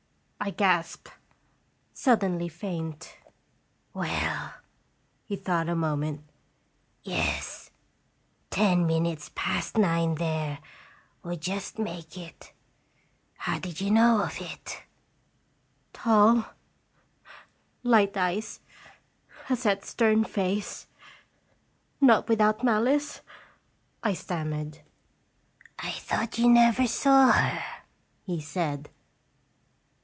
I gasped, suddenly faint. "Well," he thought a moment, " yes ten minutes past nine there would just make it how did you know of it?" " Tall, light eyes, a set, stern face not without malice?" I stammered. 320 "Qlr* llje fttectfr " I thought you never saw her?" he said.